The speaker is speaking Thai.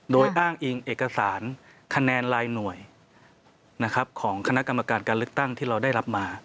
โดยอ้างอิงเอกสารคะแนนรายหน่วยของคณะกรรมการการเลือกตั้งที่เราได้รับมา